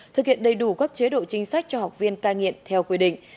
thực hiện đầy đủ các chế độ chính sách cho học viên cai nghiện theo quy định